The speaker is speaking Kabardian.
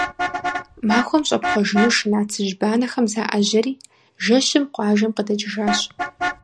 Махуэм щӀэпхъуэжыну шына цыжьбанэхэм заӀэжьэри, жэщым къуажэм къыдэкӀыжащ.